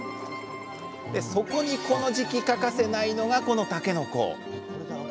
そこにこの時期欠かせないのがこのたけのこ。